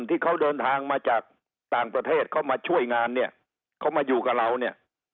ที่เขาเดินทางมาจากต่างประเทศเขามาช่วยงานเนี่ยเขามาอยู่กับเราเนี่ย